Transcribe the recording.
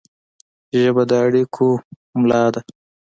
ژبه د اړیکو ملا ده